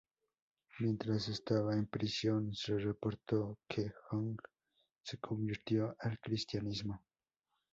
Mientras estaba en prisión, se reportó que Hong se convirtió al cristianismo.